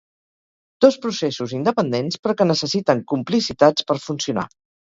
Dos processos independents, però que necessiten ‘complicitats’ per funcionar.